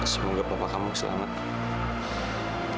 semoga papa kamu selamatkan